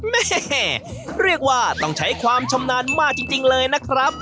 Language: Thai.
แม่เรียกว่าต้องใช้ความชำนาญมากจริงเลยนะครับ